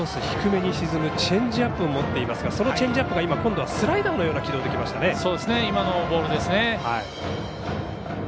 低めに沈むチェンジアップを持っていますがそのチェンジアップが今度はスライダーのような軌道できましたね。